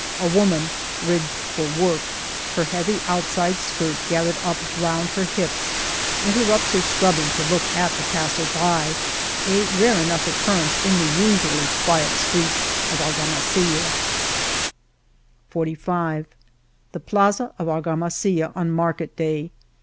A woman, rigged for work, her heavy outside skirt gathered up round her hips, interrupts her scrubbing to look at the passer by— a rare enough occurrence in the usually quiet streets of Argamasilla, 43 The plaza of Argamasilla on market day.